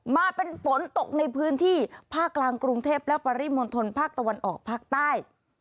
มาเป็นฝนตกในพื้นที่ภาคกลางกรุงเทพและปริมณฑลภาคตะวันออกภาคใต้